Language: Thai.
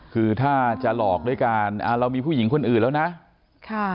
คือถ้าจะหลอกด้วยกันอ่าเรามีผู้หญิงคนอื่นแล้วนะค่ะ